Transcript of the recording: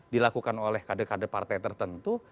dilakukan oleh kade kade partai tertentu